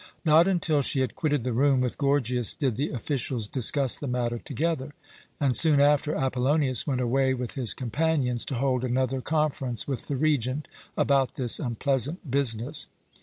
Not until she had quitted the room with Gorgias did the officials discuss the matter together, and soon after Apollonius went away with his companions, to hold another conference with the Regent about this unpleasant business.